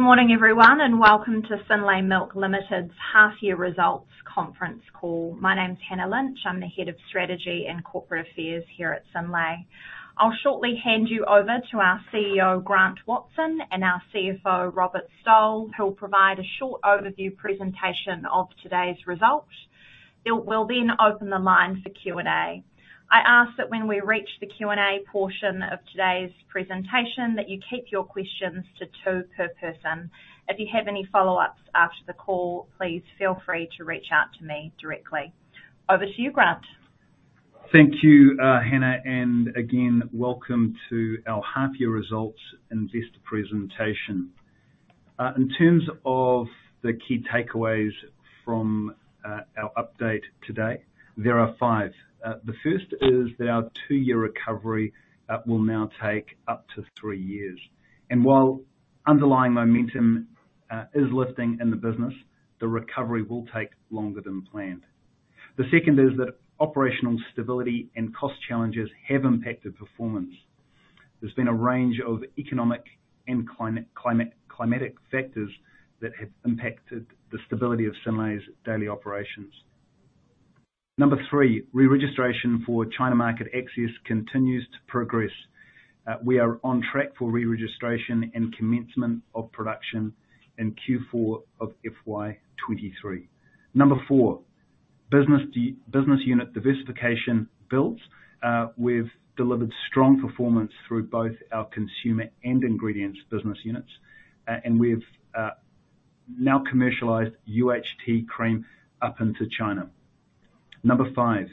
Good morning, everyone, welcome to Synlait Milk Limited's half year results conference call. My name's Hannah Lynch. I'm the head of Strategy and Corporate Affairs here at Synlait. I'll shortly hand you over to our CEO, Grant Watson, and our CFO, Robert Stowell, who'll provide a short overview presentation of today's results. It will open the line for Q&A. I ask that when we reach the Q&A portion of today's presentation, that you keep your questions to two per person. If you have any follow-ups after the call, please feel free to reach out to me directly. Over to you, Grant. Thank you, Hannah, and again, welcome to our half year results investor presentation. In terms of the key takeaways from our update today, there are five. The first is that our two-year recovery will now take up to three years. While underlying momentum is lifting in the business, the recovery will take longer than planned. The second is that operational stability and cost challenges have impacted performance. There's been a range of economic and climatic factors that have impacted the stability of Synlait's daily operations. Number three, re-registration for China market access continues to progress. We are on track for re-registration and commencement of production in Q4 of FY 2023. Number four, business unit diversification builds. We've delivered strong performance through both our consumer and ingredients business units. We've now commercialized UHT cream up into China. Number five,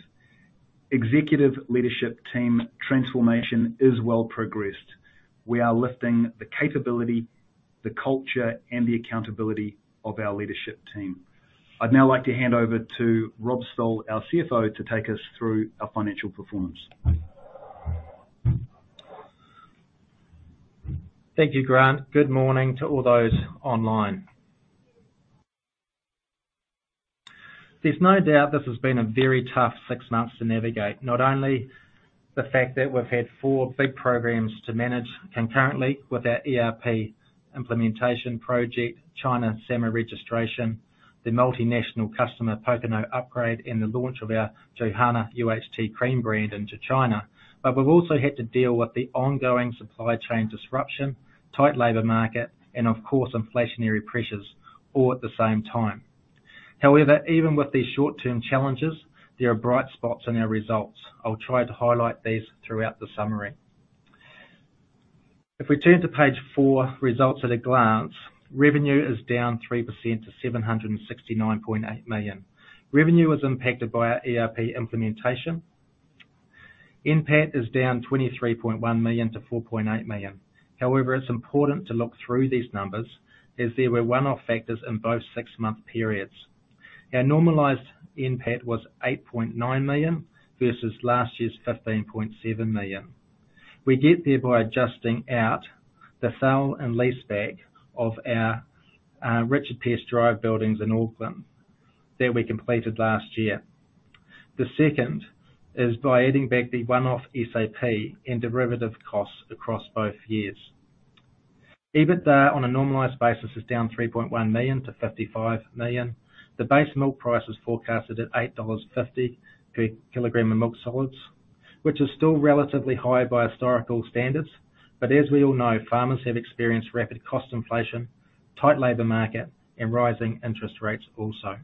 executive leadership team transformation is well progressed. We are lifting the capability, the culture and the accountability of our leadership team. I'd now like to hand over to Rob Stowell, our CFO, to take us through our financial performance. Thank you, Grant. Good morning to all those online. There's no doubt this has been a very tough six months to navigate. Not only the fact that we've had four big programs to manage concurrently with our ERP implementation project, China SAMR registration, the multinational Customer S Pokeno upgrade, and the launch of our Joyhana UHT cream brand into China. We've also had to deal with the ongoing supply chain disruption, tight labor market and of course inflationary pressures, all at the same time. However, even with these short-term challenges, there are bright spots in our results. I'll try to highlight these throughout the summary. If we turn to page four, results at a glance, revenue is down 3% to 769.8 million. Revenue was impacted by our ERP implementation. NPAT is down 23.1 million to 4.8 million. However, it's important to look through these numbers as there were one-off factors in both six-month periods. Our normalized NPAT was 8.9 million, versus last year's 15.7 million. We get there by adjusting out the sale and leaseback of our Richard Pearse Drive buildings in Auckland that we completed last year. The second is by adding back the one-off SAP and derivative costs across both years. EBITDA, on a normalized basis, is down 3.1 million to 55 million. The base milk price is forecasted at 8.50 dollars per kilogram of milk solids, which is still relatively high by historical standards. As we all know, farmers have experienced rapid cost inflation, tight labor market and rising interest rates also.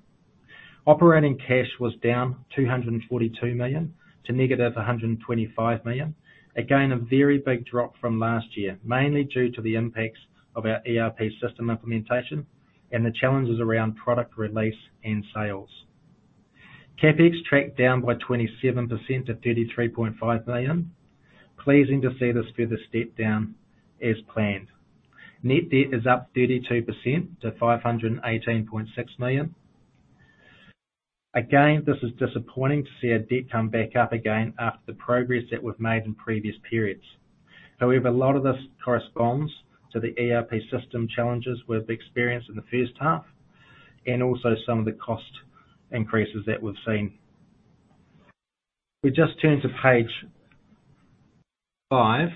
Operating cash was down 242 million to -125 million. A very big drop from last year, mainly due to the impacts of our ERP system implementation and the challenges around product release and sales. CapEx tracked down by 27% to 33.5 million. Pleasing to see this further step down as planned. Net debt is up 32% to 518.6 million. This is disappointing to see our debt come back up again after the progress that we've made in previous periods. A lot of this corresponds to the ERP system challenges we've experienced in the first half and also some of the cost increases that we've seen. We just turn to page five.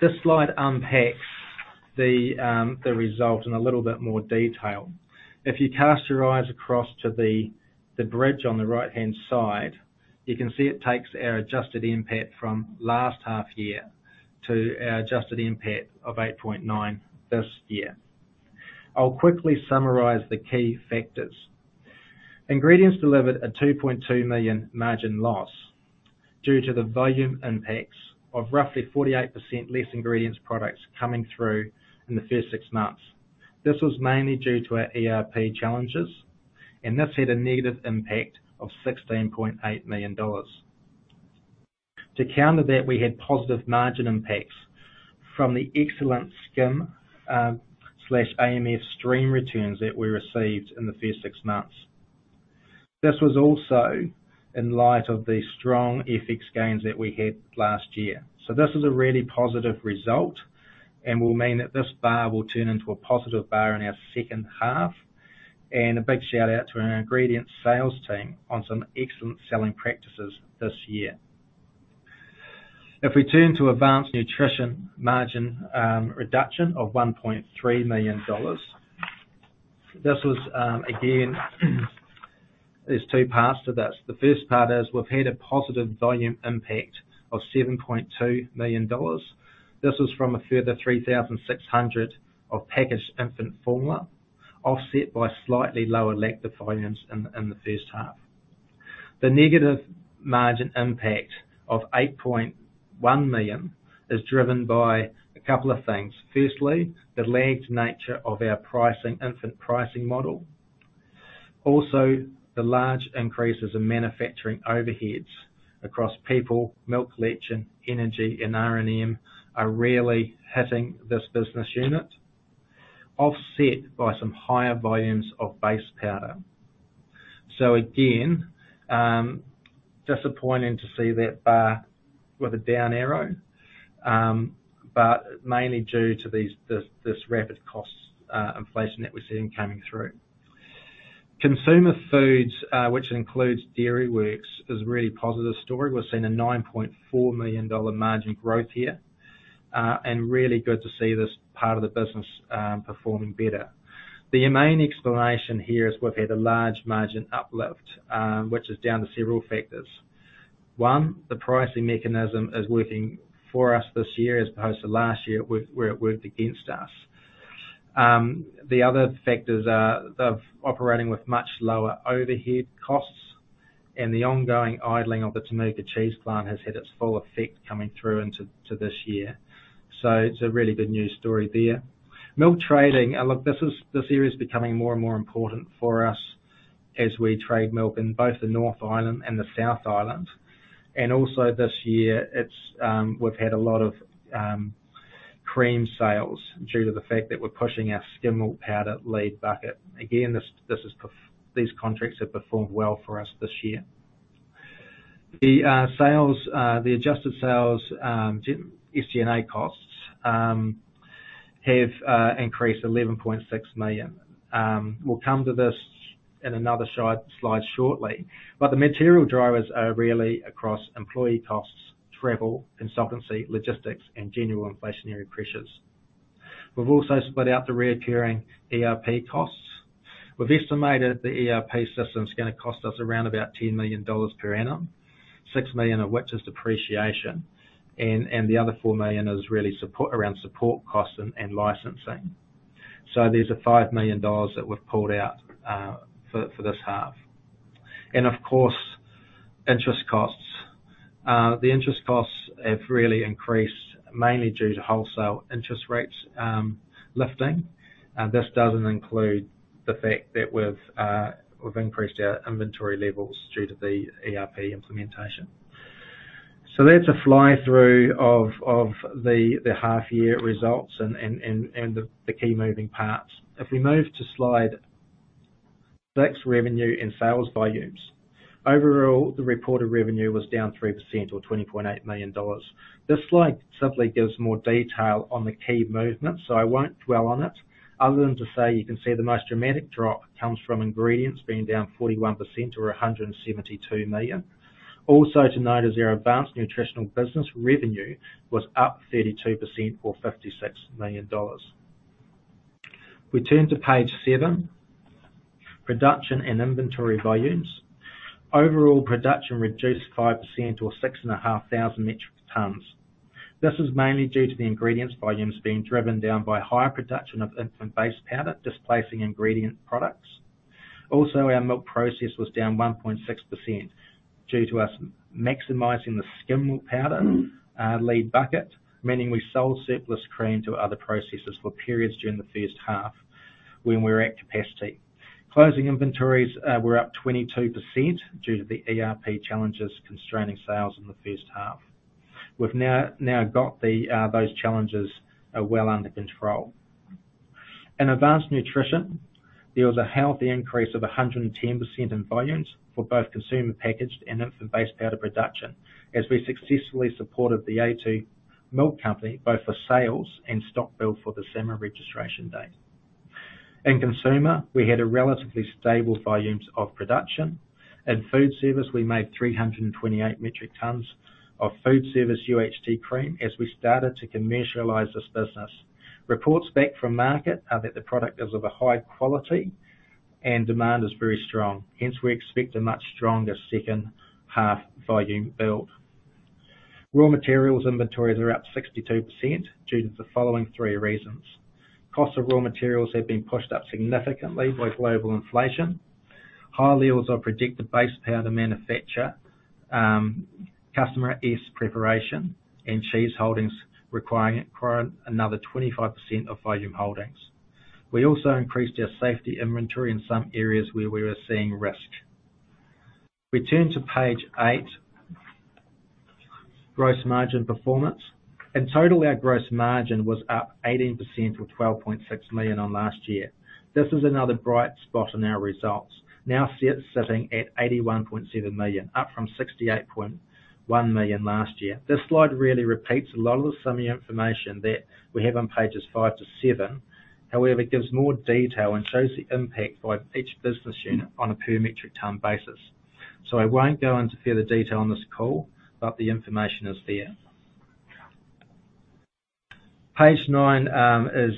This slide unpacks the result in a little bit more detail. If you cast your eyes across to the bridge on the right-hand side, you can see it takes our adjusted NPAT from last half year to our adjusted NPAT of 8.9 this year. I'll quickly summarize the key factors. Ingredients delivered a 2.2 million margin loss due to the volume impacts of roughly 48% less ingredients products coming through in the first six months. This was mainly due to our ERP challenges. This had a negative impact of 16.8 million dollars. To counter that, we had positive margin impacts from the excellent skim, slash AMF stream returns that we received in the first six months. This was also in light of the strong FX gains that we had last year. This is a really positive result and will mean that this bar will turn into a positive bar in our second half. A big shout out to our ingredients sales team on some excellent selling practices this year. If we turn to advanced nutrition margin, reduction of 1.3 million dollars. This was, again, there's two parts to this. The first part is we've had a positive volume impact of 7.2 million dollars. This is from a further 3,600 of packaged infant formula, offset by slightly lower lactof volumes in the first half. The negative margin impact of 8.1 million is driven by a couple of things. Firstly, the lagged nature of our pricing, infant pricing model. The large increases in manufacturing overheads across people, milk collection, energy and R&M are really hitting this business unit, offset by some higher volumes of base powder. Again, disappointing to see that bar with a down arrow, but mainly due to this rapid cost inflation that we're seeing coming through. Consumer foods, which includes Dairyworks, is a really positive story. We're seeing 9.4 million dollar margin growth here, and really good to see this part of the business performing better. The main explanation here is we've had a large margin uplift, which is down to several factors. One, the pricing mechanism is working for us this year as opposed to last year where it worked against us. The other factors are of operating with much lower overhead costs and the ongoing idling of the Temuka cheese plant has had its full effect coming through into to this year. It's a really good news story there. Milk trading. This area is becoming more and more important for us as we trade milk in both the North Island and the South Island. This year it's, we've had a lot of cream sales due to the fact that we're pushing our skim milk powder lead bucket. These contracts have performed well for us this year. The sales, the adjusted sales, SG&A costs have increased 11.6 million. We'll come to this in another slide shortly, the material drivers are really across employee costs, travel, consultancy, logistics, and general inflationary pressures. We've also split out the recurring ERP costs. We've estimated the ERP system's going to cost us around about 10 million dollars per annum, 6 million of which is depreciation, and the other 4 million is really around support costs and licensing. There's a 5 million dollars that we've pulled out for this half. Of course, interest costs. The interest costs have really increased, mainly due to wholesale interest rates lifting. This doesn't include the fact that we've increased our inventory levels due to the ERP implementation. That's a fly-through of the half year results and the key moving parts. If we move to slide six, revenue and sales volumes. Overall, the reported revenue was down 3% or 20.8 million dollars. This slide simply gives more detail on the key movements, so I won't dwell on it other than to say you can see the most dramatic drop comes from ingredients being down 41% or 172 million. Also to note is our advanced nutritional business revenue was up 32% or 56 million dollars. We turn to page seven, production and inventory volumes. Overall, production reduced 5% or 6,500 metric tons. This is mainly due to the ingredients volumes being driven down by higher production of infant base powder, displacing ingredient products. Our milk process was down 1.6% due to us maximizing the skim milk powder lead bucket, meaning we sold surplus cream to other processors for periods during the first half when we were at capacity. Closing inventories were up 22% due to the ERP challenges constraining sales in the first half. We've now got those challenges well under control. In advanced nutrition, there was a healthy increase of 110% in volumes for both consumer packaged and infant base powder production as we successfully supported The a2 Milk Company, both for sales and stock build for the SAMR registration date. In consumer, we had a relatively stable volumes of production. In food service, we made 328 metric tons of food service UHT cream as we started to commercialize this business. Reports back from market are that the product is of a high quality and demand is very strong. Hence, we expect a much stronger second half volume build. Raw materials inventories are up 62% due to the following three reasons: costs of raw materials have been pushed up significantly by global inflation, high levels of predicted base powder manufacture, Customer S preparation, and cheese holdings requiring another 25% of volume holdings. We also increased our safety inventory in some areas where we were seeing risk. We turn to page eight, gross margin performance. In total, our gross margin was up 18% or 12.6 million on last year. This is another bright spot in our results. Now sitting at 81.7 million, up from 68.1 million last year. This slide really repeats a lot of the summary information that we have on pages five to seven. However, it gives more detail and shows the impact by each business unit on a per metric ton basis. I won't go into further detail on this call, but the information is there. Page nine is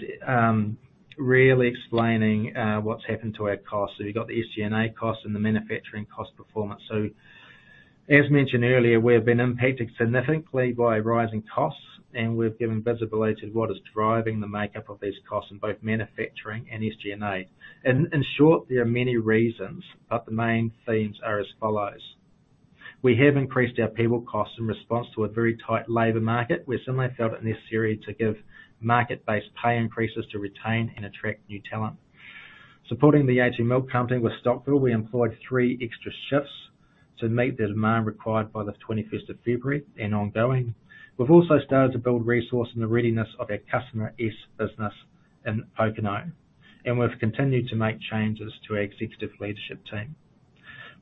really explaining what's happened to our costs. You've got the SG&A costs and the manufacturing cost performance. As mentioned earlier, we have been impacted significantly by rising costs, and we've given visibility to what is driving the makeup of these costs in both manufacturing and SG&A. In short, there are many reasons, but the main themes are as follows: We have increased our payable costs in response to a very tight labor market. We similarly felt it necessary to give market-based pay increases to retain and attract new talent. Supporting The a2 Milk Company with stock build, we employed three extra shifts to meet the demand required by the 21st of February and ongoing. We've also started to build resource and the readiness of our Customer S business in Pokeno, and we've continued to make changes to our executive leadership team.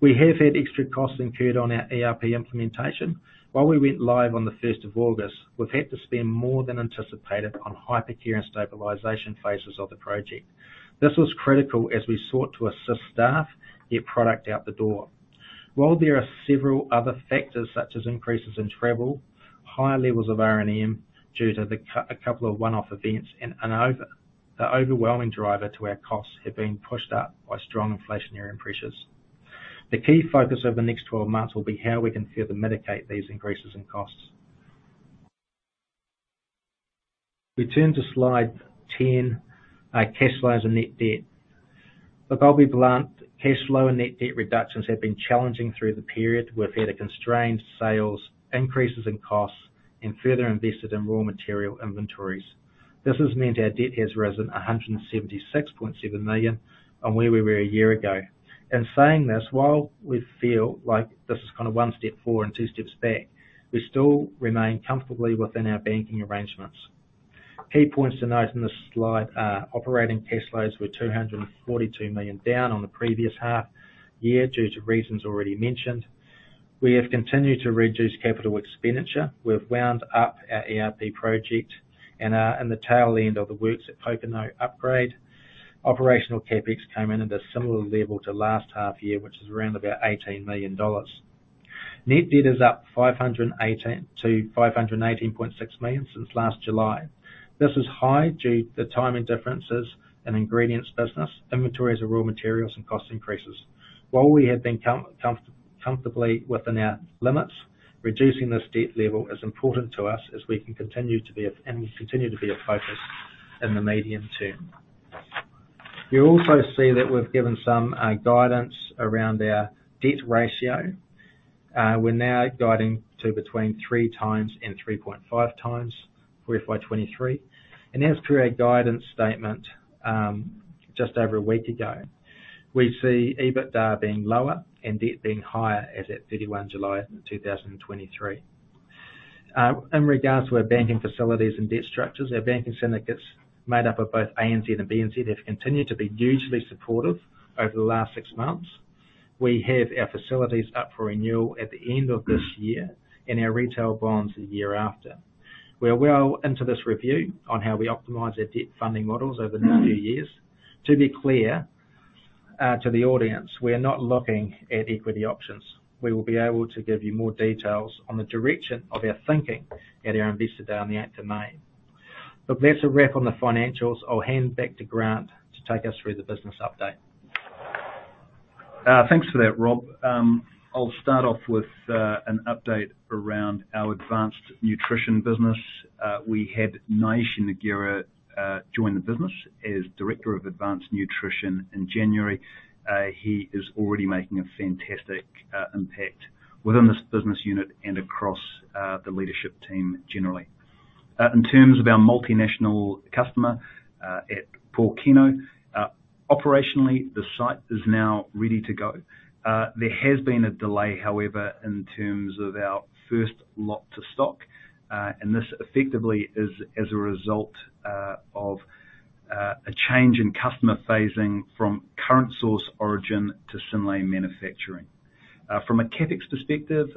We have had extra costs incurred on our ERP implementation. While we went live on the 1st of August, we've had to spend more than anticipated on hypercare and stabilization phases of the project. This was critical as we sought to assist staff get product out the door. While there are several other factors, such as increases in travel, higher levels of R&M due to a couple of one-off events and the overwhelming driver to our costs have been pushed up by strong inflationary pressures. The key focus over the next 12 months will be how we can further mitigate these increases in costs. We turn to slide 10, cash flows and net debt. I'll be blunt, cash flow and net debt reductions have been challenging through the period. We've had a constrained sales, increases in costs, and further invested in raw material inventories. This has meant our debt has risen 176.7 million on where we were a year ago. In saying this, while we feel like this is kind of one step forward and two steps back, we still remain comfortably within our banking arrangements. Key points to note in this slide are operating cash flows were 242 million down on the previous half year due to reasons already mentioned. We have continued to reduce capital expenditure. We've wound up our ERP project and are in the tail end of the works at Pokeno upgrade. Operational CapEx came in at a similar level to last half year, which is around about 18 million dollars. Net debt is up to 518.6 million since last July. This is high due to timing differences in ingredients business, inventories of raw materials, and cost increases. While we have been comfortably within our limits, reducing this debt level is important to us as we can continue to be a, and will continue to be a focus in the medium term. You'll also see that we've given some guidance around our debt ratio. We're now guiding to between 3x and 3.5x for FY 2023. As per our guidance statement, just over a week ago, we see EBITDA being lower and debt being higher as at July 31, 2023. In regards to our banking facilities and debt structures, our banking syndicates, made up of both ANZ and BNZ, have continued to be hugely supportive over the last six months. We have our facilities up for renewal at the end of this year and our retail bonds the year after. We are well into this review on how we optimize our debt funding models over the next few years. To be clear, to the audience, we are not looking at equity options. We will be able to give you more details on the direction of our thinking at our Investor Day on the eighth of May. Look, that's a wrap on the financials. I'll hand back to Grant to take us through the business update. Thanks for that, Rob. I'll start off with an update around our advanced nutrition business. We had Naiche Nogueira join the business as Director of Advanced Nutrition in January. He is already making a fantastic impact within this business unit and across the leadership team generally. In terms of our multinational customer at Pokeno, operationally, the site is now ready to go. There has been a delay, however, in terms of our first lot to stock, and this effectively is as a result of a change in customer phasing from current source origin to Synlait manufacturing. From a CapEx perspective,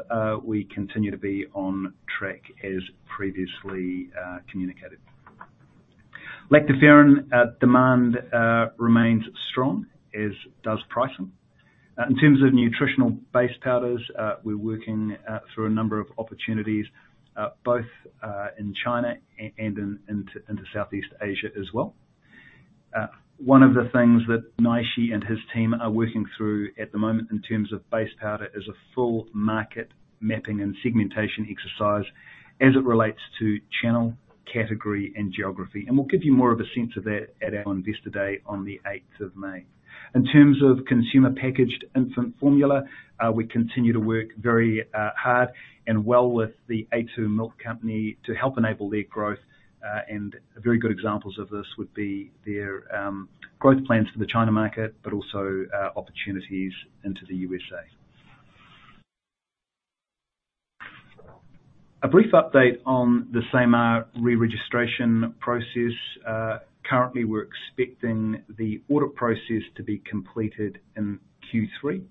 we continue to be on track as previously communicated. Lactoferrin demand remains strong, as does pricing. In terms of nutritional base powders, we're working through a number of opportunities, both in China and in Southeast Asia as well. One of the things that Naiche and his team are working through at the moment in terms of base powder is a full market mapping and segmentation exercise as it relates to channel, category, and geography. We'll give you more of a sense of that at our Investor Day on the 8th of May. In terms of consumer packaged infant formula, we continue to work very hard and well with The a2 Milk Company to help enable their growth. Very good examples of this would be their growth plans for the China market, but also opportunities into the USA. A brief update on the SAMR re-registration process. Currently, we're expecting the audit process to be completed in Q3,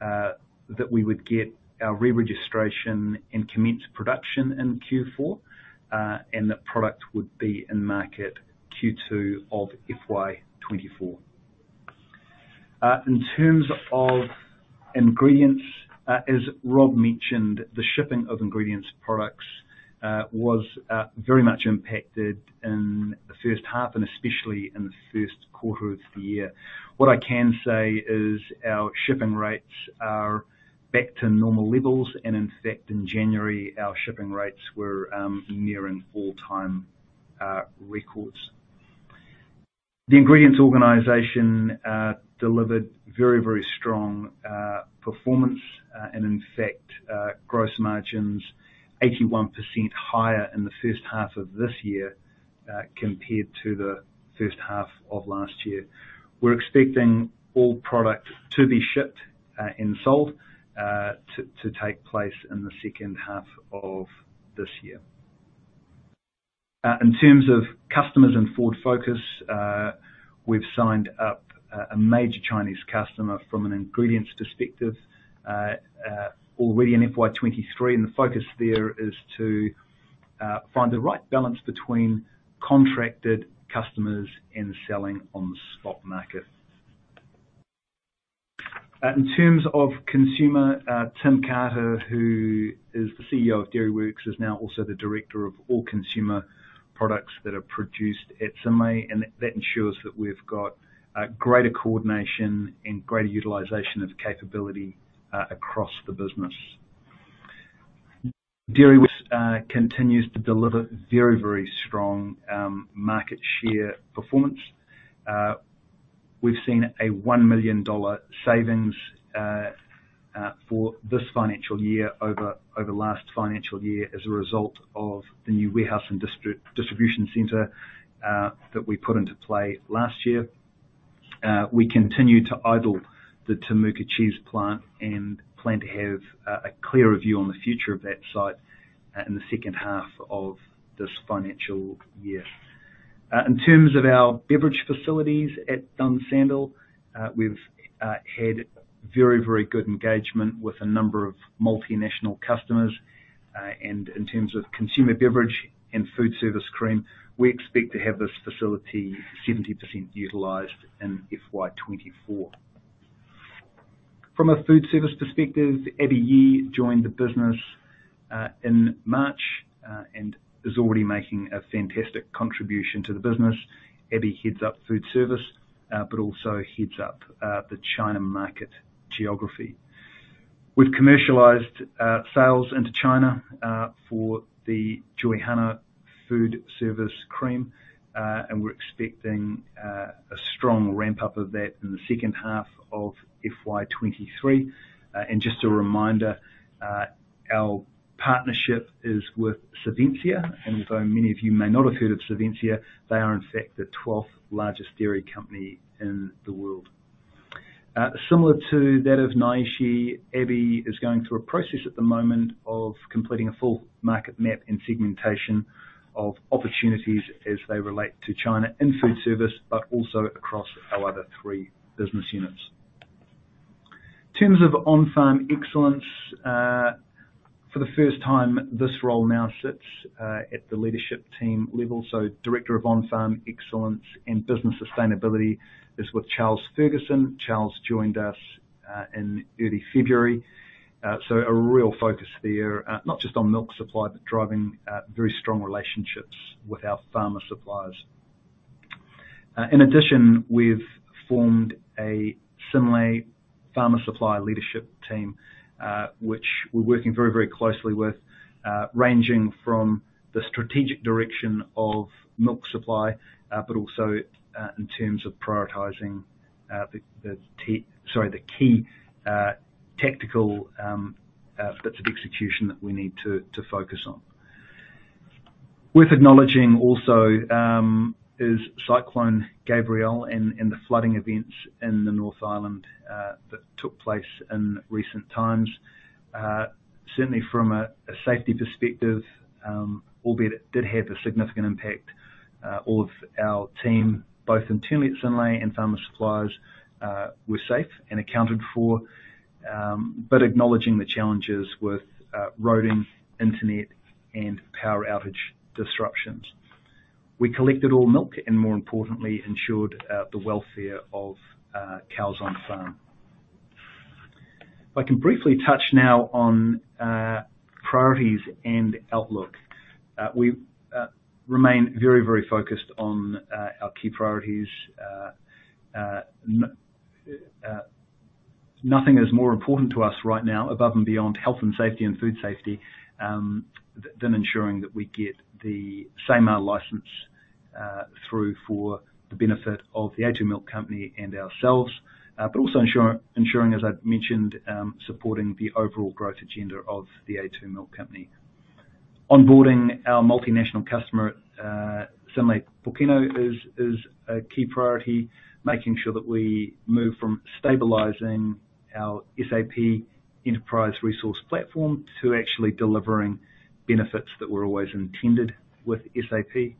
that we would get our re-registration and commence production in Q4, and that product would be in market Q2 of FY 2024. In terms of ingredients, as Rob mentioned, the shipping of ingredients products was very much impacted in the first half and especially in the first quarter of the year. What I can say is our shipping rates are back to normal levels, and in fact, in January, our shipping rates were nearing all-time records. The ingredients organization delivered very strong performance, and in fact, gross margins 81% higher in the first half of this year, compared to the first half of last year. We're expecting all product to be shipped, and sold, to take place in the second half of this year. In terms of customers and forward focus, we've signed up a major Chinese customer from an ingredients perspective, already in FY 2023, and the focus there is to find the right balance between contracted customers and selling on the stock market. In terms of consumer, Tim Carter, who is the CEO of Dairyworks, is now also the director of all consumer products that are produced at Synlait, and that ensures that we've got greater coordination and greater utilization of capability across the business. Dairyworks continues to deliver very, very strong market share performance. We've seen a $1 million savings for this financial year over last financial year as a result of the new warehouse and distribution center that we put into play last year. We continue to idle the Temuka cheese plant and plan to have a clear view on the future of that site in the second half of this financial year. In terms of our beverage facilities at Dunsandel, we've had very good engagement with a number of multinational customers. In terms of consumer beverage and food service cream, we expect to have this facility 70% utilized in FY 2024. From a food service perspective, Abby Yi joined the business in March and is already making a fantastic contribution to the business. Abby heads up food service, but also heads up the China market geography. We've commercialized sales into China for the Joyhana food service cream, and we're expecting a strong ramp-up of that in the second half of FY 2023. Just a reminder, our partnership is with Savencia, and although many of you may not have heard of Savencia, they are in fact the 12th largest dairy company in the world. Similar to that of Naiche, Abby is going through a process at the moment of completing a full market map and segmentation of opportunities as they relate to China in food service, but also across our other three business units. In terms of on-farm excellence, for the first time, this role now sits at the leadership team level, Director of On-Farm Excellence and Business Sustainability is with Charles Fergusson. Charles joined us in early February. A real focus there, not just on milk supply, but driving very strong relationships with our farmer suppliers. In addition, we've formed a Synlait farmer supplier leadership team, which we're working very, very closely with, ranging from the strategic direction of milk supply, also in terms of prioritizing the key tactical bits of execution that we need to focus on. Worth acknowledging also is Cyclone Gabrielle and the flooding events in the North Island that took place in recent times. Certainly from a safety perspective, albeit it did have a significant impact, all of our team, both internally at Synlait and farmer suppliers, were safe and accounted for. Acknowledging the challenges with roading, internet, and power outage disruptions, we collected all milk, and more importantly, ensured the welfare of cows on the farm. If I can briefly touch now on priorities and outlook. We remain very, very focused on our key priorities. Nothing is more important to us right now, above and beyond health and safety and food safety, than ensuring that we get the SAMR license through for the benefit of The a2 Milk Company and ourselves. Also ensuring, as I've mentioned, supporting the overall growth agenda of The a2 Milk Company. Onboarding our multinational customer, Synlait Pokeno is a key priority. Making sure that we move from stabilizing our SAP enterprise resource platform to actually delivering benefits that were always intended with SAP.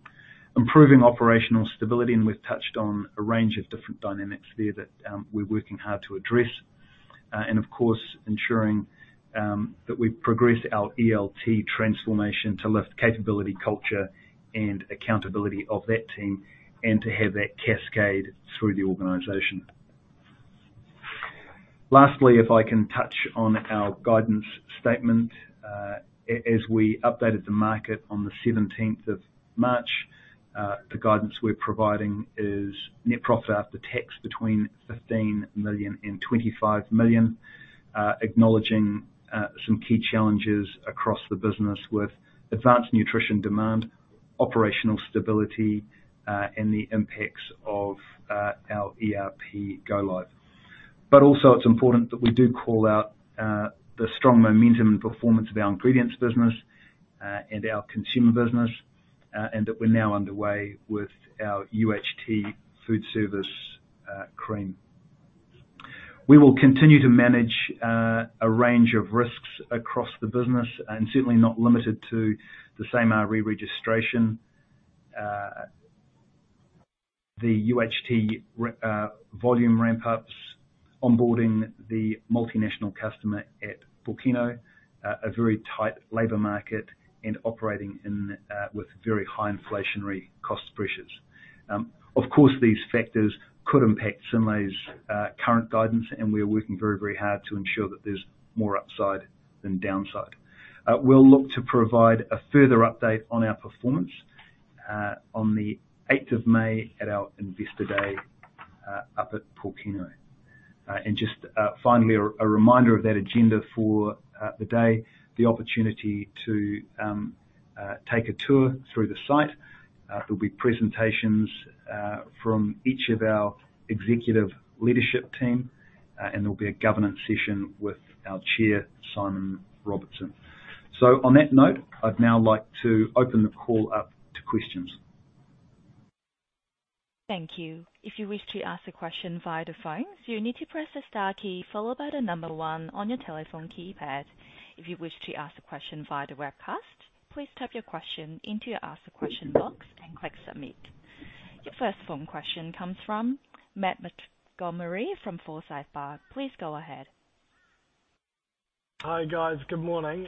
Improving operational stability, we've touched on a range of different dynamics there that we're working hard to address. Of course, ensuring that we progress our ELT transformation to lift capability, culture, and accountability of that team and to have that cascade through the organization. Lastly, if I can touch on our guidance statement, as we updated the market on the 17th of March, the guidance we're providing is net profit after tax between 15 million and 25 million, acknowledging some key challenges across the business with advanced nutrition demand, operational stability, and the impacts of our ERP go live. Also it's important that we do call out the strong momentum and performance of our ingredients business and our consumer business and that we're now underway with our UHT foodservice cream. We will continue to manage a range of risks across the business and certainly not limited to the SAMR re-registration, the UHT volume ramp-ups, onboarding the multinational customer at Pokeno, a very tight labor market and operating in with very high inflationary cost pressures. Of course, these factors could impact Synlait's current guidance, and we are working very, very hard to ensure that there's more upside than downside. We'll look to provide a further update on our performance on the eighth of May at our Investor Day, up at Pokeno. Just, finally, a reminder of that agenda for the day, the opportunity to take a tour through the site. There'll be presentations from each of our executive leadership team, and there'll be a governance session with our Chair, Simon Robertson. On that note, I'd now like to open the call up to questions. Thank you. If you wish to ask a question via the phone, you need to press the star key followed by the number one on your telephone keypad. If you wish to ask a question via the webcast, please type your question into your Ask a Question box and click Submit. Your first phone question comes from Matt Montgomerie from Forsyth Barr. Please go ahead. Hi, guys. Good morning.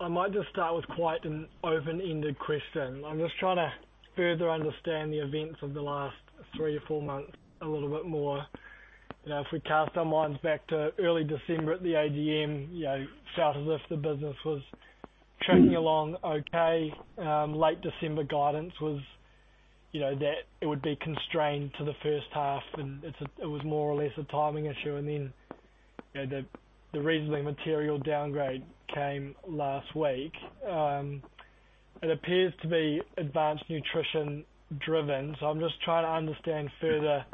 I might just start with quite an open-ended question. I'm just trying to further understand the events of the last three or four months a little bit more. You know, if we cast our minds back to early December at the ASM, you know, it felt as if the business was trudging along okay. Late December guidance was, you know, that it would be constrained to the first half, and it was more or less a timing issue. Then, you know, the reasonably material downgrade came last week. It appears to be advanced nutrition driven, so I'm just trying to understand further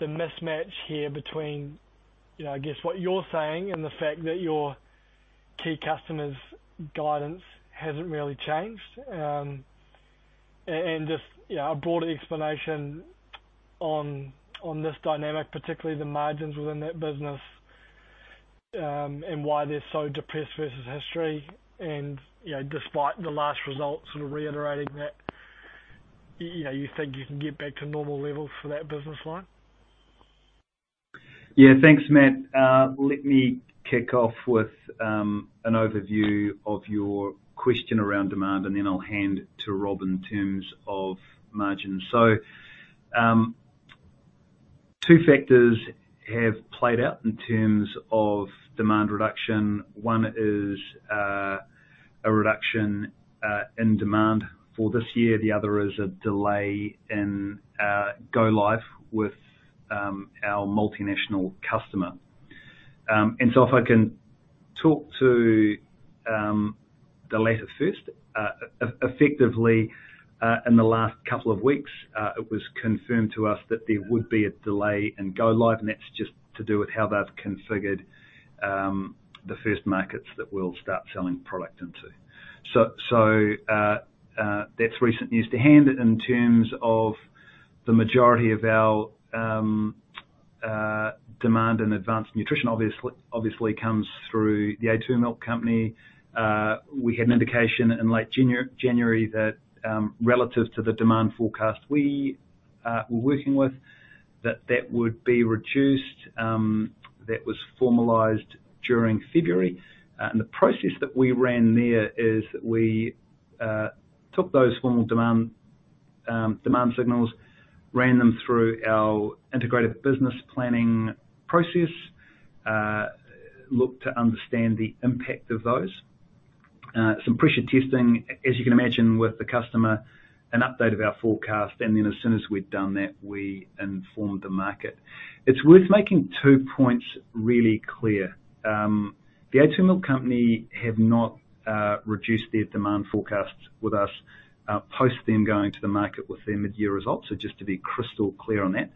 the mismatch here between, you know, I guess what you're saying and the fact that your key customer's guidance hasn't really changed. Just, yeah, a broader explanation on this dynamic, particularly the margins within that business, and why they're so depressed versus history. You know, despite the last results sort of reiterating that, you know, you think you can get back to normal levels for that business line? Thanks, Matt. Let me kick off with an overview of your question around demand, and then I'll hand to Rob in terms of margins. Two factors have played out in terms of demand reduction. One is a reduction in demand for this year, the other is a delay in go live with our multinational customer. If I can talk to the latter first. Effectively, in the last couple of weeks, it was confirmed to us that there would be a delay in go live, and that's just to do with how they've configured the first markets that we'll start selling product into. That's recent news to hand in terms of the majority of our demand and advanced nutrition obviously comes through The a2 Milk Company. We had an indication in late January that relative to the demand forecast we were working with, that that would be reduced, that was formalized during February. The process that we ran there is we took those formal demand demand signals, ran them through our Integrated Business Planning process, looked to understand the impact of those. Some pressure testing, as you can imagine, with the customer, an update of our forecast, and then as soon as we'd done that, we informed the market. It's worth making two points really clear. The a2 Milk Company have not reduced their demand forecasts with us post them going to the market with their mid-year results. Just to be crystal clear on that.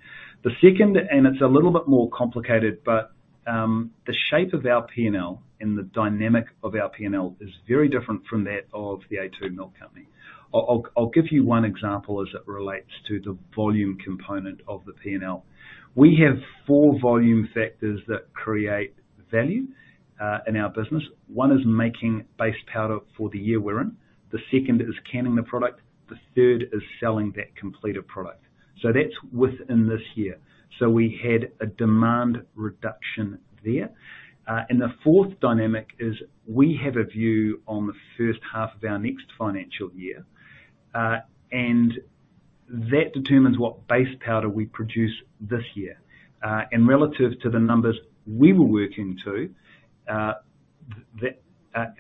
The second, and it's a little bit more complicated, the shape of our P&L and the dynamic of our P&L is very different from that of The a2 Milk Company. I'll give you one example as it relates to the volume component of the P&L. We have four volume factors that createValue in our business. One is making base powder for the year we're in. The second is canning the product. The third is selling that completed product. That's within this year. We had a demand reduction there. The fourth dynamic is we have a view on the first half of our next financial year, and that determines what base powder we produce this year. Relative to the numbers we were working to,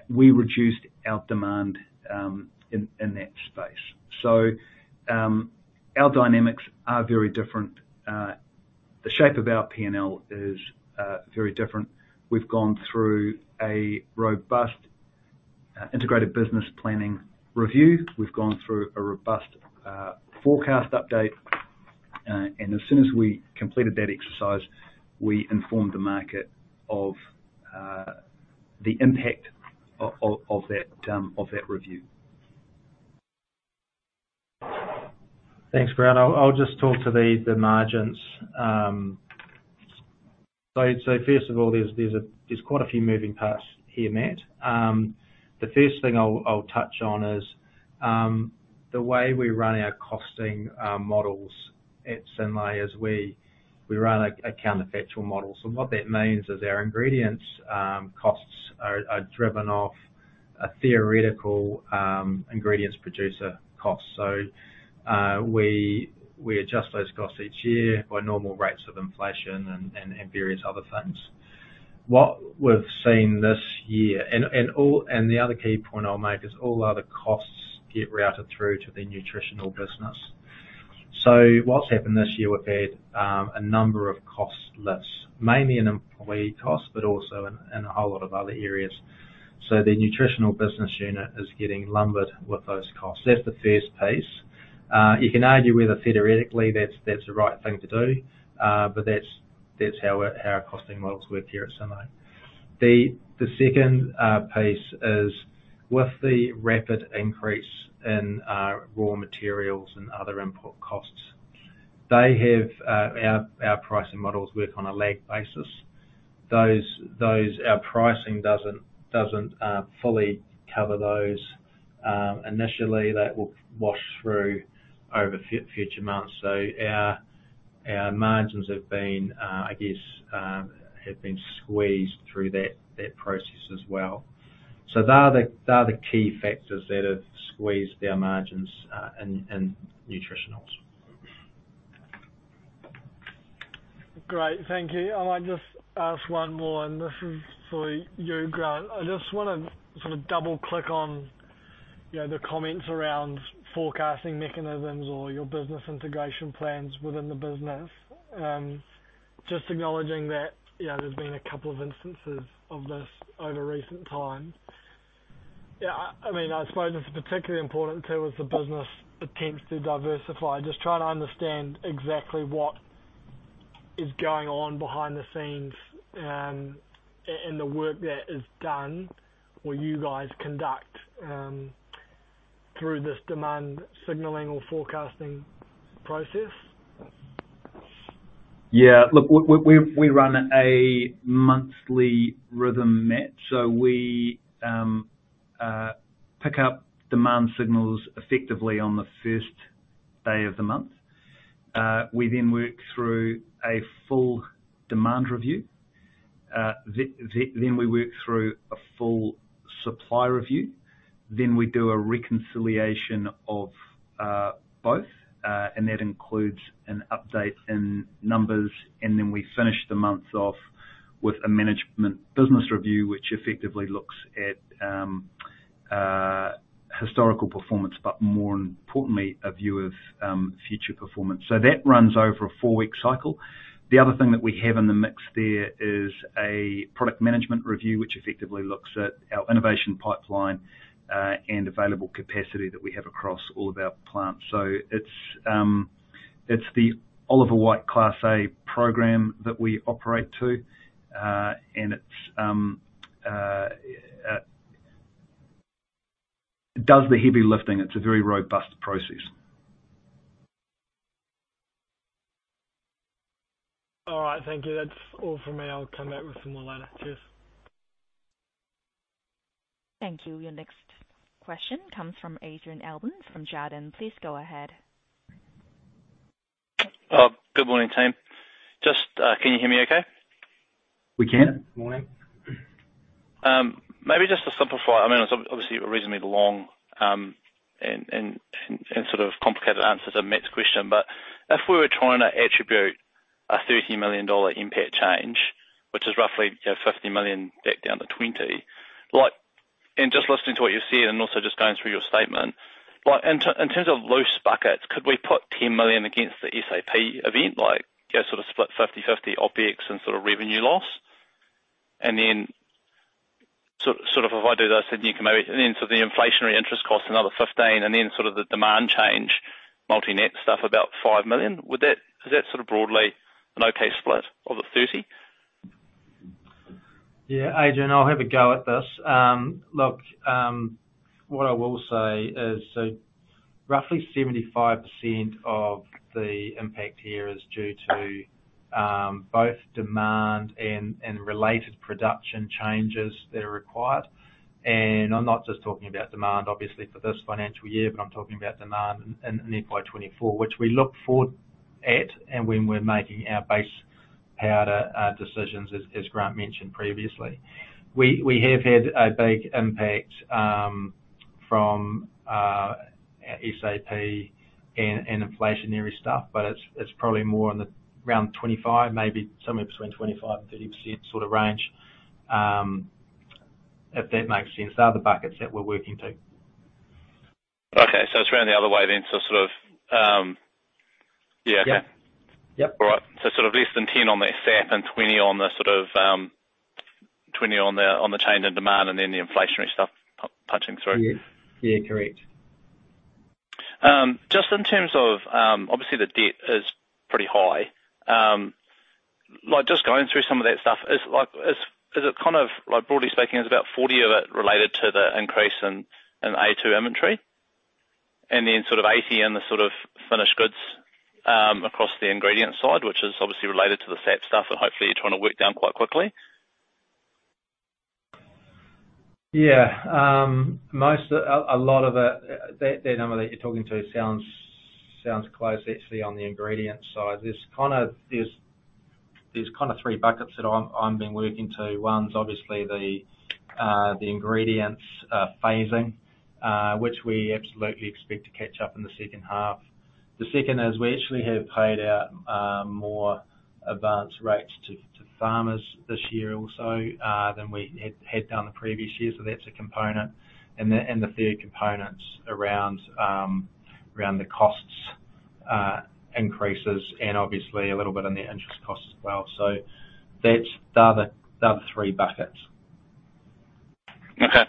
we reduced our demand in that space. Our dynamics are very different. The shape of our P&L is very different. We've gone through a robust Integrated Business Planning review. We've gone through a robust forecast update, as soon as we completed that exercise, we informed the market of the impact of that review. Thanks, Grant. I'll just talk to the margins. First of all, there's quite a few moving parts here, Matt. The first thing I'll touch on is the way we run our costing models at Synlait is we run a counterfactual model. What that means is our ingredients costs are driven off a theoretical ingredients producer cost. We adjust those costs each year by normal rates of inflation and various other things. What we've seen this year, and the other key point I'll make is all other costs get routed through to the nutritional business. What's happened this year, we've had a number of cost lifts, mainly in employee costs, but also in a whole lot of other areas. The nutritional business unit is getting lumbered with those costs. That's the first piece. You can argue whether theoretically that's the right thing to do, but that's how our costing models work here at Synlait. The second piece is, with the rapid increase in raw materials and other input costs, they have our pricing models work on a lag basis. Our pricing doesn't fully cover those. Initially that will wash through over future months. Our margins have been, I guess, have been squeezed through that process as well. They're the key factors that have squeezed our margins in nutritionals. Great. Thank you. I might just ask one more, and this is for you, Grant. I just wanna sort of double-click on, you know, the comments around forecasting mechanisms or your business integration plans within the business. Just acknowledging that, you know, there's been a couple of instances of this over recent times. Yeah, I mean, I suppose it's particularly important too, as the business attempts to diversify. Just trying to understand exactly what is going on behind the scenes, and the work that is done or you guys conduct through this demand signaling or forecasting process. Yeah. Look, we run a monthly rhythm, Matt. We pick up demand signals effectively on the first day of the month. We then work through a full demand review. Then we work through a full supply review. Then we do a reconciliation of both, and that includes an update in numbers. Then we finish the month off with a management business review, which effectively looks at historical performance, but more importantly, a view of future performance. That runs over a four-week cycle. The other thing that we have in the mix there is a product management review, which effectively looks at our innovation pipeline, and available capacity that we have across all of our plants. It's the Oliver Wight Class A program that we operate to, and it's, it does the heavy lifting. It's a very robust process. All right. Thank you. That's all from me. I'll come back with some more later. Cheers. Thank you. Your next question comes from Adrian Allbon from Jarden. Please go ahead. Good morning, team. Just, can you hear me okay? We can. Morning. Maybe just to simplify, I mean, obviously reasonably long, and sort of complicated answers to Matt's question, but if we were trying to attribute a 30 million dollar impact change, which is roughly, you know, 50 million back down to 20 million, like, and just listening to what you're saying and also just going through your statement, like in terms of loose buckets, could we put 10 million against the SAP event, like, you know, sort of split 50/50 OpEx and sort of revenue loss? Sort of if I do this, then you can maybe... And then sort of the inflationary interest costs another 15 million, and then sort of the demand change multi-net stuff about 5 million. Is that sort of broadly an okay split of the 30 million? Yeah, Adrian, I'll have a go at this. What I will say is, roughly 75% of the impact here is due to both demand and related production changes that are required. I'm not just talking about demand obviously for this financial year, but I'm talking about demand in FY 2024, which we look forward at and when we're making our base powder decisions, as Grant mentioned previously. We have had a big impact from our SAP and inflationary stuff, but it's probably more on the around 25%, maybe somewhere between 25% and 30% sort of range, if that makes sense. They are the buckets that we're working to. Okay. It's around the other way then. sort of, Yeah. Okay. Yeah. Yep. All right. Sort of less than 10 on that SAP and 20 on the sort of, 20 on the, on the chain and demand, the inflationary stuff punching through. Yeah. Yeah. Correct. Just in terms of, obviously the debt is pretty high. Like, just going through some of that stuff, is it kind of, broadly speaking, is about 40 million of it related to the increase in A2 inventory? Then sort of 80 million in the sort of finished goods, across the ingredient side, which is obviously related to the SAP stuff and hopefully you're trying to work down quite quickly? Yeah. A lot of it, that number that you're talking to sounds close actually on the ingredient side. There's kinda three buckets that I've been working to. One's obviously the ingredients phasing, which we absolutely expect to catch up in the second half. The second is we actually have paid out more advanced rates to farmers this year also than we had done the previous years. That's a component. The third component's around the costs increases and obviously a little bit on the interest costs as well. They are the three buckets. Okay.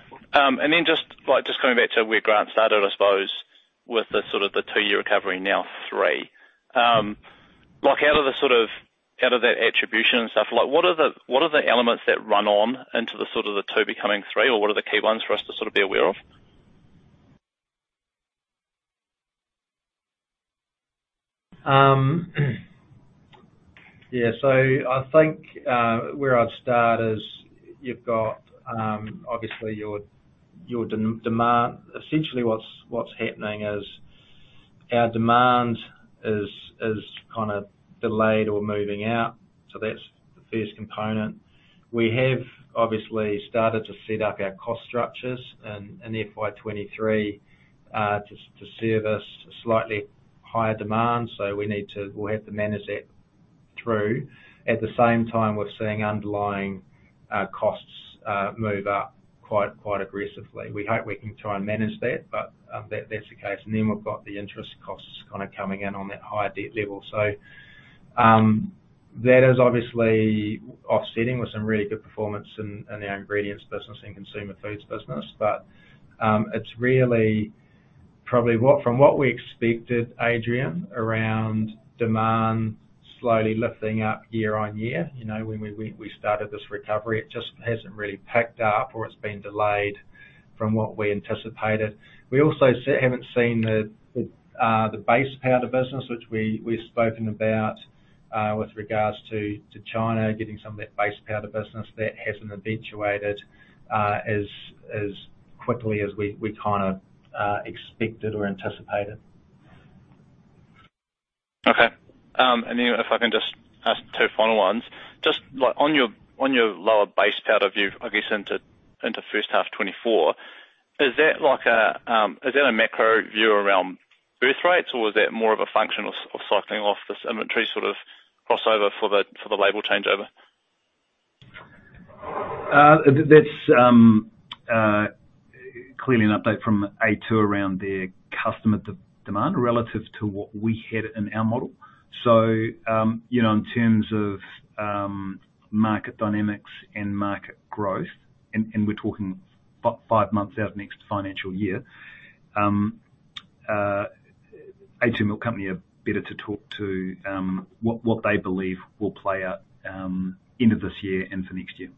Just, like just coming back to where Grant started, I suppose, with the sort of the 2-year recovery now three. Like out of the sort of, out of that attribution and stuff, like what are the elements that run on into the sort of the two becoming three? What are the key ones for us to sort of be aware of? Yeah. I think, where I'd start is you've got, obviously your demand. Essentially what's happening is our demand is kinda delayed or moving out. That's the first component. We have obviously started to set up our cost structures in FY 2023 to service slightly higher demand. We need to, we'll have to manage that through. At the same time we're seeing underlying costs move up quite aggressively. We hope we can try and manage that, but that's the case. Then we've got the interest costs kinda coming in on that higher debt level. That is obviously offsetting with some really good performance in our ingredients business and consumer foods business. It's really probably what... from what we expected, Adrian, around demand slowly lifting up year-on-year. You know, when we started this recovery, it just hasn't really picked up or it's been delayed from what we anticipated. We also haven't seen the base powder business, which we've spoken about, with regards to China getting some of that base powder business. That hasn't eventuated as quickly as we kinda expected or anticipated. Okay. If I can just ask two final ones. Just like on your lower base powder view, I guess into first half 2024, is that like a, is that a macro view around birth rates or is that more of a function of cycling off this inventory sort of crossover for the, for the label changeover? That's clearly an update from A2 around their customer demand relative to what we had in our model. You know, in terms of market dynamics and market growth, and we're talking five months out next financial year, A2 Milk Company are better to talk to what they believe will play out end of this year and for next year.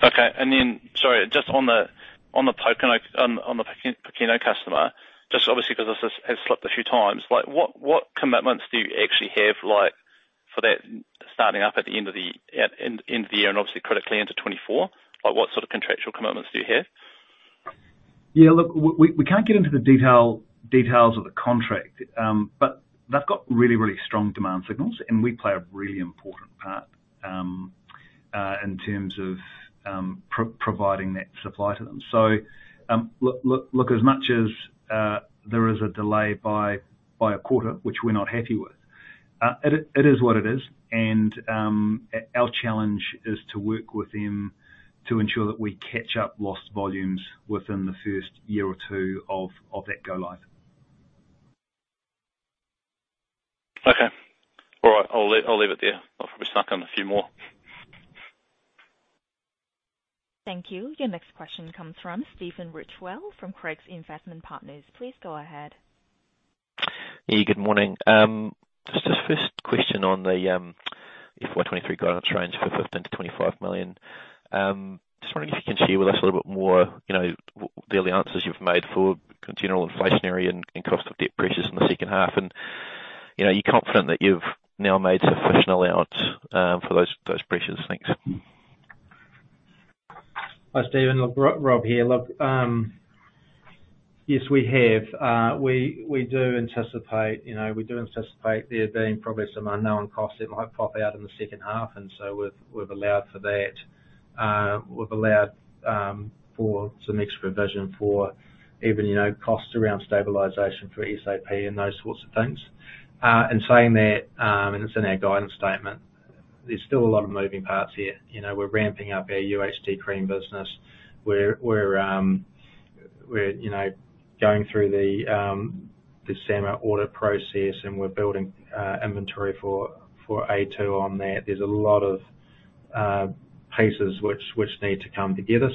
Sorry, just on the Pokeno, on the Pokeno customer, just obviously because this has slipped a few times. Like what commitments do you actually have like for that starting up at the end of the year and obviously critically into 2024? Like what sort of contractual commitments do you have? Yeah, look, we can't get into the details of the contract. But they've got really strong demand signals, and we play a really important part in terms of providing that supply to them. Look, as much as there is a delay by a quarter, which we're not happy with, it is what it is. Our challenge is to work with them to ensure that we catch up lost volumes within the first year or two of that go live. Okay. All right. I'll leave it there. I've probably snuck in a few more. Thank you. Your next question comes from Stephen Ridgewell from Craigs Investment Partners. Please go ahead. Hey, good morning. Just a first question on the FY 2023 guidance range for 15 million-25 million. Just wondering if you can share with us a little bit more, you know, the allowances you've made for general inflationary and cost of debt pressures in the second half and, you know, you're confident that you've now made sufficient allowance for those pressures? Thanks. Hi, Stephen. Rob here. Look, yes, we have. We do anticipate, you know, we do anticipate there being probably some unknown costs that might pop out in the second half. We've allowed for that. We've allowed for some extra provision for even, you know, costs around stabilization for SAP and those sorts of things. In saying that, it's in our guidance statement, there's still a lot of moving parts here. You know, we're ramping up our UHT cream business. We're going through the SAMR audit process, and we're building inventory for A2 on that. There's a lot of pieces which need to come together.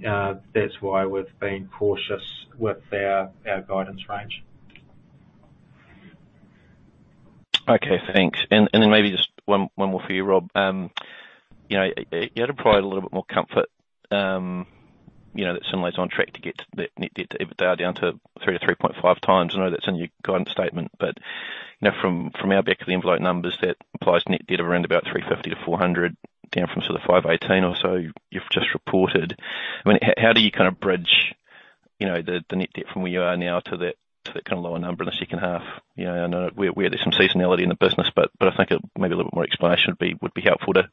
That's why we've been cautious with our guidance range. Okay, thanks. Then maybe just one more for you, Rob. you know, you had to provide a little bit more comfort, you know, that Synlait's on track to get net debt to EBITDA down to 3x-3.5x. I know that's in your guidance statement, you know, from our back of the envelope numbers, that implies net debt of around about 350-400, down from sort of 518 or so you've just reported. I mean, how do you kind of bridge, you know, the net debt from where you are now to that kind of lower number in the second half? You know, I know there's some seasonality in the business, but I think maybe a little bit more explanation would be helpful to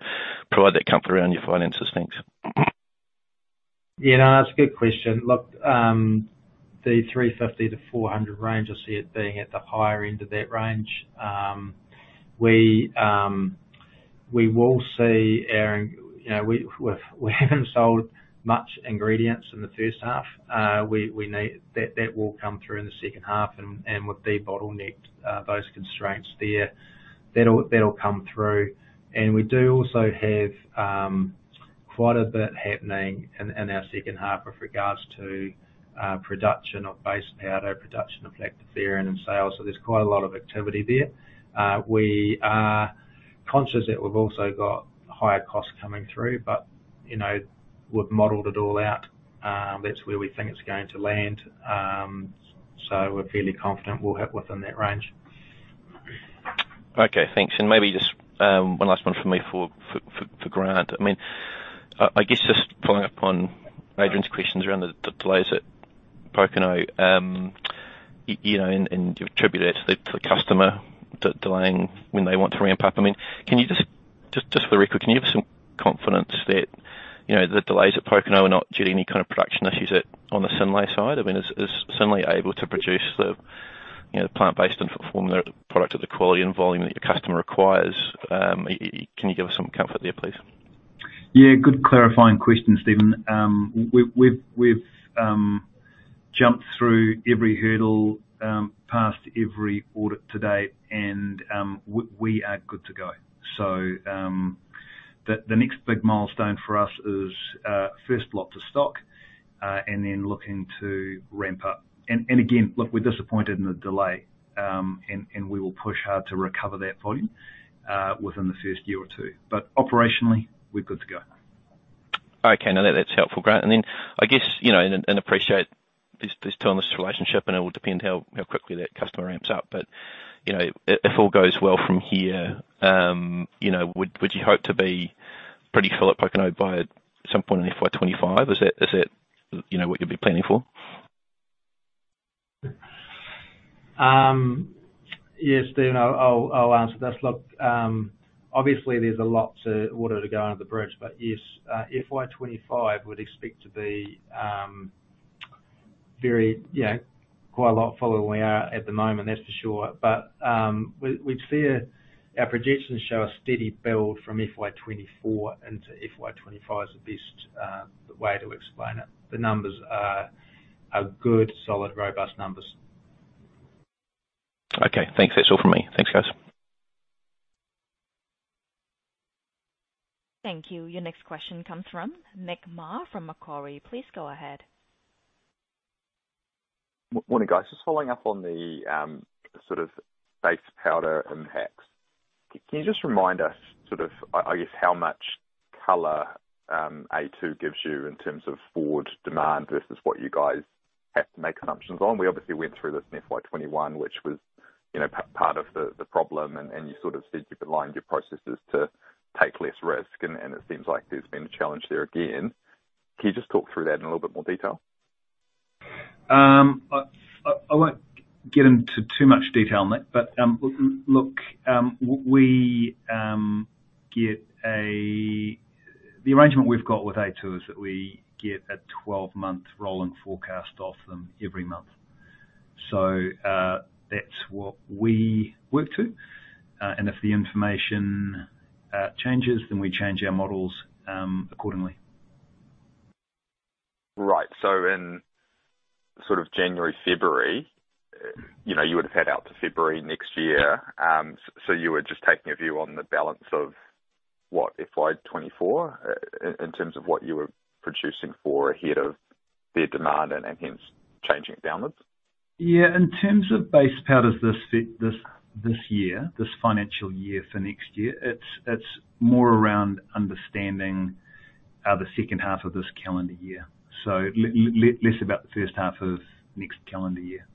provide that comfort around your finances. Thanks. Yeah, no, that's a good question. Look, the 350-400 range, I see it being at the higher end of that range. We will see You know, we haven't sold much ingredients in the first half. That will come through in the second half and with the bottleneck, those constraints there, that'll come through. We do also have quite a bit happening in our second half with regards to production of base powder, production of lactoferrin and sales. There's quite a lot of activity there. We are conscious that we've also got higher costs coming through, but, you know, we've modeled it all out. That's where we think it's going to land. We're fairly confident we'll hit within that range. Okay, thanks. Maybe just one last one from me for Grant. I mean, I guess just following up on Adrian's questions around the delays at Pokeno, you know, and you attribute it to the customer delaying when they want to ramp up. I mean, can you just for the record, can you give us some confidence that, you know, the delays at Pokeno are not due to any kind of production issues at, on the Synlait side? I mean, is Synlait able to produce the, you know, the plant-based and formula product at the quality and volume that your customer requires? Can you give us some comfort there, please? Yeah, good clarifying question, Stephen. We've jumped through every hurdle, passed every audit to date, and we are good to go. The next big milestone for us is first lot to stock and then looking to ramp up. Again, look, we're disappointed in the delay, and we will push hard to recover that volume within the first year or two. Operationally, we're good to go. Okay. No, that's helpful, Grant. I guess, you know, and appreciate this timeless relationship, and it will depend how quickly that customer ramps up. You know, if all goes well from here, you know, would you hope to be pretty full at Pokeno by some point in FY 2025? Is that, you know, what you'll be planning for? Yeah, Stephen, I'll answer this. Look, obviously there's water to go under the bridge, yes, FY 2025 would expect to be very, you know, quite a lot fuller than we are at the moment, that's for sure. Our projections show a steady build from FY 2024 into FY 2025 is the best way to explain it. The numbers are good, solid, robust numbers. Thanks. That's all from me. Thanks, guys. Thank you. Your next question comes from Nick Mar from Macquarie. Please go ahead. Morning, guys. Just following up on the sort of base powder impacts. Can you just remind us sort of, I guess how much color a2 gives you in terms of forward demand versus what you guys have to make assumptions on? We obviously went through this in FY 2021, which was, you know, part of the problem and you sort of said you've aligned your processes to take less risk and it seems like there's been a challenge there again. Can you just talk through that in a little bit more detail? I won't get into too much detail, Nick, but the arrangement we've got with A2 is that we get a 12-month rolling forecast off them every month. That's what we work to. If the information changes, then we change our models accordingly. Right. In sort of January, February, you know, you would have had out to February next year. You were just taking a view on What, FY 2024? In terms of what you were producing for ahead of their demand and hence changing it downwards? Yeah. In terms of base powders this year, this financial year for next year, it's more around understanding the second half of this calendar year, so less about the first half of next calendar year.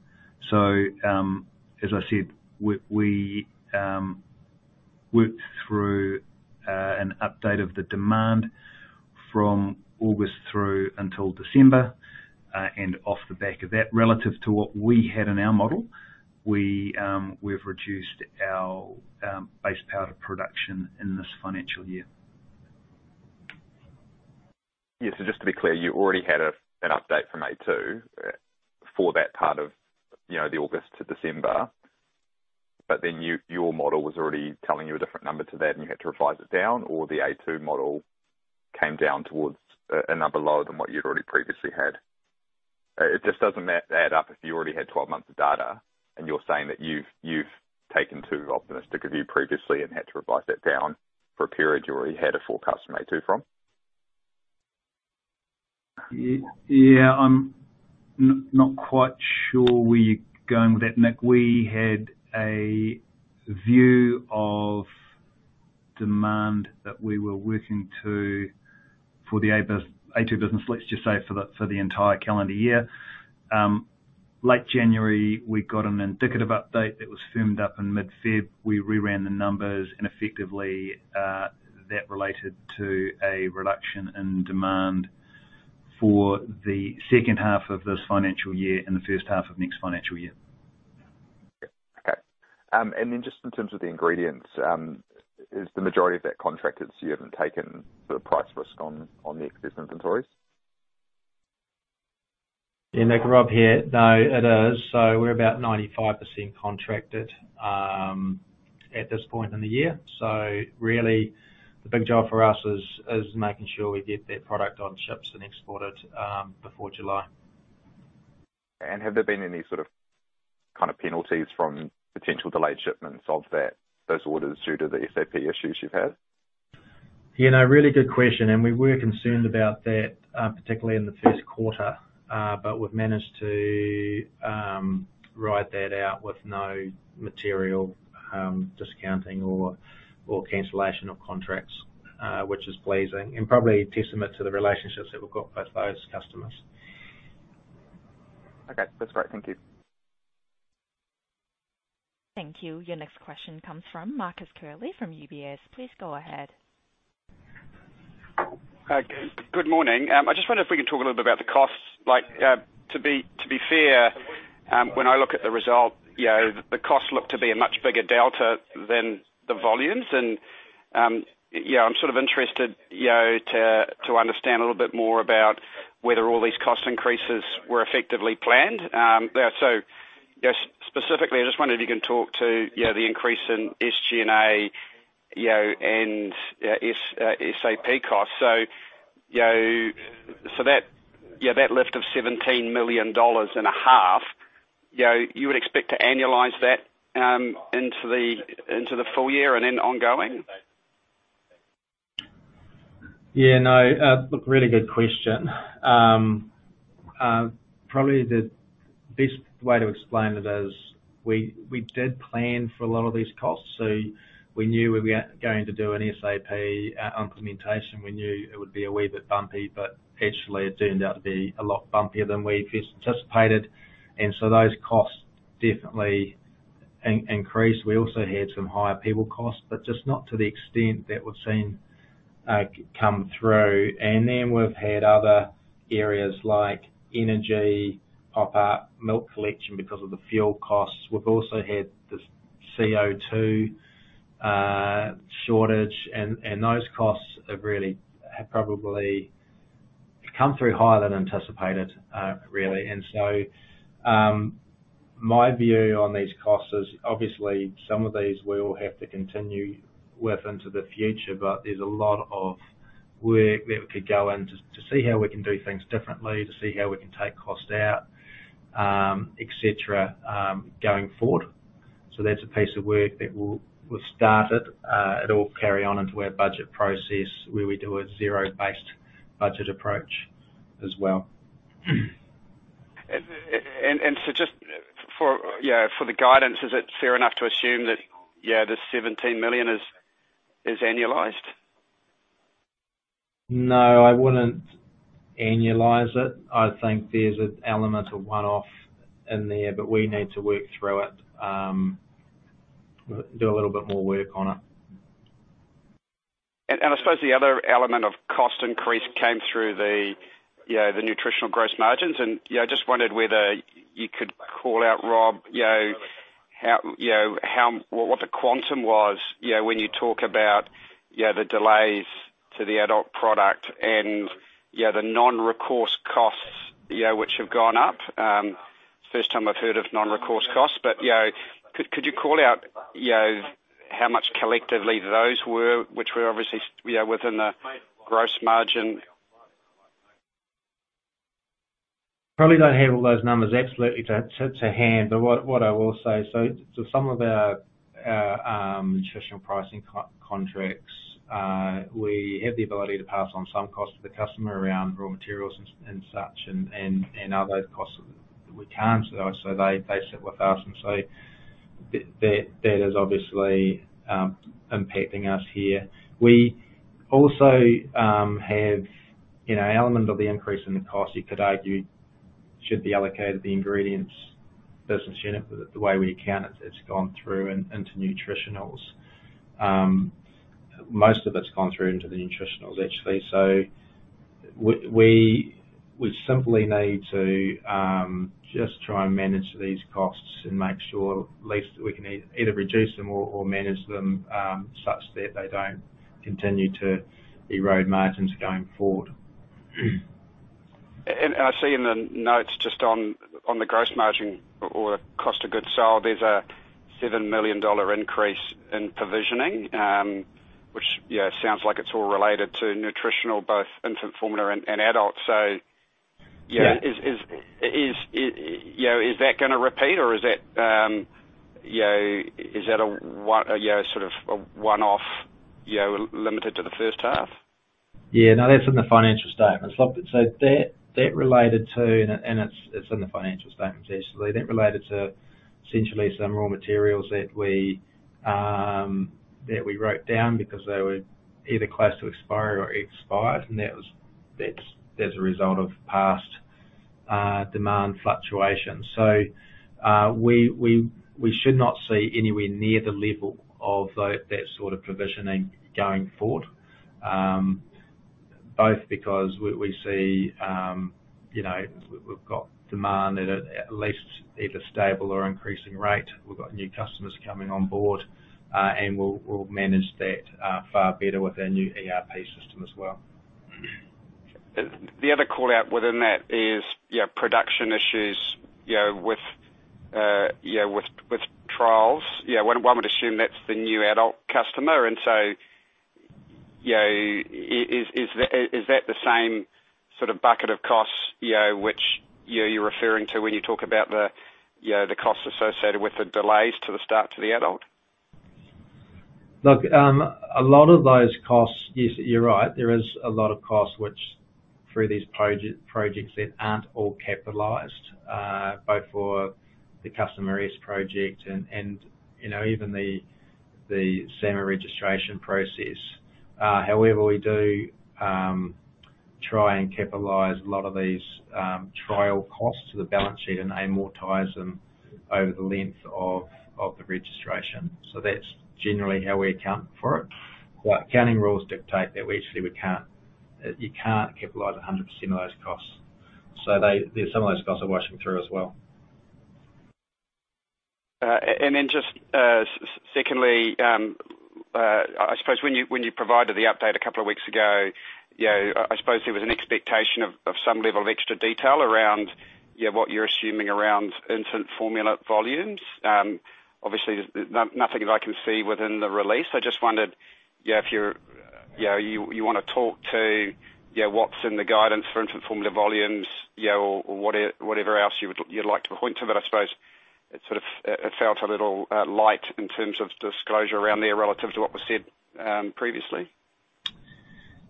As I said, we worked through an update of the demand from August through until December. Off the back of that, relative to what we had in our model, we've reduced our base powder production in this financial year. Yeah. Just to be clear, you already had an update from A2 for that part of, you know, the August to December. Your model was already telling you a different number to that, and you had to revise it down, or the A2 model came down towards a number lower than what you had already previously had? It just doesn't add up if you already had 12 months of data and you're saying that you've taken too optimistic a view previously and had to revise that down for a period you already had a forecast from A2 from. Yeah. I'm not quite sure where you're going with that, Nick. We had a view of demand that we were working to for the A2 business, let's just say, for the entire calendar year. Late January, we got an indicative update that was firmed up in mid-Feb. We reran the numbers and effectively, that related to a reduction in demand for the second half of this financial year and the first half of next financial year. Okay. just in terms of the ingredients, is the majority of that contracted so you haven't taken the price risk on the existing inventories? Nick Mar. Rob Stowell here. It is. We're about 95% contracted at this point in the year. Really the big job for us is making sure we get that product on ships and exported before July. Have there been any sort of, kind of penalties from potential delayed shipments of that, those orders due to the SAP issues you've had? Yeah. No, really good question. We were concerned about that, particularly in the first quarter. We've managed to ride that out with no material discounting or cancellation of contracts, which is pleasing and probably a testament to the relationships that we've got with those customers. Okay. That's great. Thank you. Thank you. Your next question comes from Marcus Kiley from UBS. Please go ahead. Good morning. I just wonder if we can talk a little bit about the costs. Like, to be fair, when I look at the result, you know, the costs look to be a much bigger delta than the volumes. Yeah, I'm sort of interested, you know, to understand a little bit more about whether all these cost increases were effectively planned. Yeah, so, specifically, I just wondered if you can talk to, you know, the increase in SG&A, you know, and SAP costs. That lift of 17 million dollars and a half, you know, you would expect to annualize that into the full year and then ongoing? Yeah, no. Look, really good question. Probably the best way to explain it is we did plan for a lot of these costs. We knew we were going to do an SAP implementation. We knew it would be a wee bit bumpy, but actually it turned out to be a lot bumpier than we first anticipated. Those costs definitely increased. We also had some higher people costs, but just not to the extent that we've seen come through. We've had other areas like energy pop up, milk collection because of the fuel costs. We've also had this CO2 shortage and those costs have really come through higher than anticipated, really. My view on these costs is obviously some of these we will have to continue with into the future, but there's a lot of work that we could go in to see how we can do things differently, to see how we can take costs out, et cetera, going forward. That's a piece of work that we've started. It'll carry on into our budget process, where we do a zero-based budget approach as well. Just for, you know, for the guidance, is it fair enough to assume that, yeah, this 17 million is annualized? No, I wouldn't annualize it. I think there's an element of one-off in there, but we need to work through it, do a little bit more work on it. I suppose the other element of cost increase came through the, you know, the nutritional gross margins. You know, I just wondered whether you could call out, Rob, you know, how, you know, how, what the quantum was, you know, when you talk about, you know, the delays to the adult product and, you know, the non-recourse costs, you know, which have gone up. First time I've heard of non-recourse costs, but, you know, could you call out, you know, how much collectively those were, which were obviously, you know, within the gross margin. Probably don't have all those numbers absolutely to hand. What I will say, some of our nutritional pricing co-contracts, we have the ability to pass on some cost to the customer around raw materials and such and other costs we can't. They sit with us and that is obviously impacting us here. We also have, you know, element of the increase in the cost you could argue should be allocated the ingredients business unit. The way we account it's gone through and into nutritionals. Most of it's gone through into the nutritionals actually. We simply need to just try and manage these costs and make sure at least we can either reduce them or manage them, such that they don't continue to erode margins going forward. I see in the notes just on the gross margin or cost of goods sold, there's a 7 million dollar increase in provisioning, which, you know, sounds like it's all related to nutritional, both infant formula and adult. Yeah. Is you know, is that gonna repeat or is that, you know, is that a one, you know, sort of a one-off, you know, limited to the first half? Yeah. No, that's in the financial statements. Look, that related to... It's, it's in the financial statements actually. That related to essentially some raw materials that we that we wrote down because they were either close to expiry or expired, and that was, that's as a result of past demand fluctuations. We should not see anywhere near the level of that sort of provisioning going forward, both because we see, you know, we've got demand at least either stable or increasing rate. We've got new customers coming on board, and we'll manage that far better with our new ERP system as well. The other callout within that is, you know, production issues, you know, with, you know, with trials. You know, one would assume that's the new adult customer and so, you know, is that the same sort of bucket of costs, you know, which, you know, you're referring to when you talk about the, you know, the costs associated with the delays to the start to the adult? Look, a lot of those costs... Yes, you're right. There is a lot of costs which through these projects that aren't all capitalized, both for the Customer S project and, you know, even the SAMR registration process. However, we do try and capitalize a lot of these trial costs to the balance sheet and amortize them over the length of the registration. That's generally how we account for it. Accounting rules dictate that we actually can't, you can't capitalize 100% of those costs. Some of those costs are washing through as well. And then just, secondly, I suppose when you, when you provided the update a couple of weeks ago, you know, I suppose there was an expectation of some level of extra detail around, you know, what you're assuming around infant formula volumes. Obviously there's nothing that I can see within the release. I just wondered, you know, if you're, you know, you wanna talk to, you know, what's in the guidance for infant formula volumes, you know, or whatever else you would, you'd like to point to. I suppose it sort of, it felt a little, light in terms of disclosure around there relative to what was said, previously.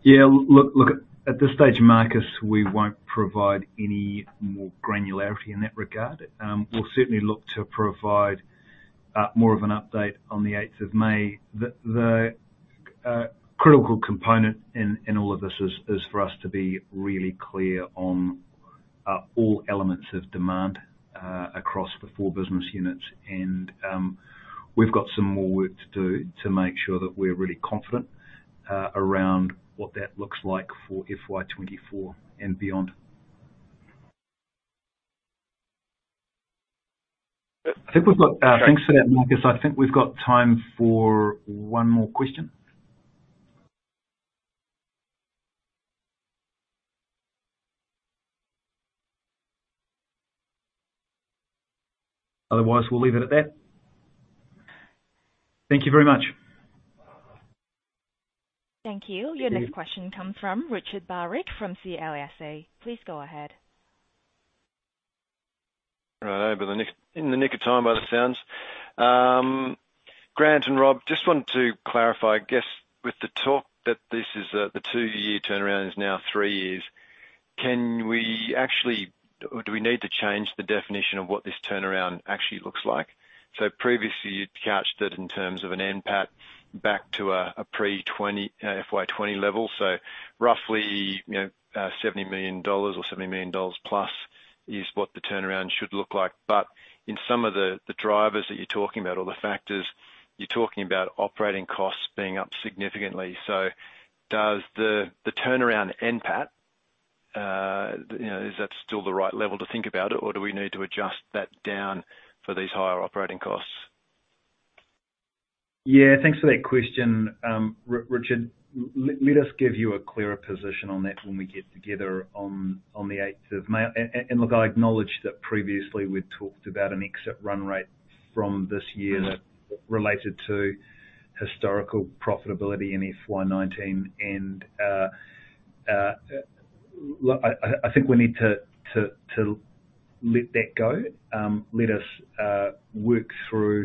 Look, at this stage, Marcus, we won't provide any more granularity in that regard. We'll certainly look to provide more of an update on the 8th of May. The critical component in all of this is for us to be really clear on all elements of demand across the four business units. We've got some more work to do to make sure that we're really confident around what that looks like for FY 2024 and beyond. I think we've got. Thanks for that, Marcus. I think we've got time for one more question. Otherwise, we'll leave it at that. Thank you very much. Thank you. Thank you. Your next question comes from Richard Barwick from CLSA. Please go ahead. Right. In the nick of time by the sounds. Grant and Rob, just wanted to clarify, I guess with the talk that this is the 2-year turnaround is now three years. Can we actually or do we need to change the definition of what this turnaround actually looks like? Previously you'd couched it in terms of an NPAT back to a pre-2020, FY 2020 level. Roughly, you know, 70 million dollars or 70 million dollars+ is what the turnaround should look like. In some of the drivers that you're talking about or the factors, you're talking about operating costs being up significantly. Does the turnaround NPAT, you know, is that still the right level to think about it or do we need to adjust that down for these higher operating costs? Yeah, thanks for that question, Richard. Let us give you a clearer position on that when we get together on the eighth of May. Look, I acknowledge that previously we'd talked about an exit run rate from this year that related to historical profitability in FY 2019. I think we need to let that go. Let us work through